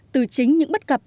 từ chính những bất cập